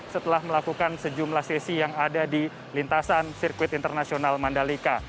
setelah melakukan sejumlah sesi yang ada di lintasan sirkuit internasional mandalika